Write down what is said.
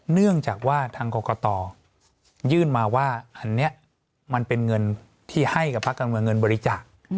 เนื่องจากว่าทางกรกตยื่นมาว่าอันนี้มันเป็นเงินที่ให้กับภาคการเมืองเงินบริจาค